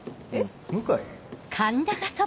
向井。